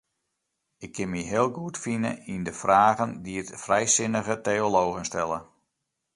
Ik kin my heel goed fine yn de fragen dy't frijsinnige teologen stelle.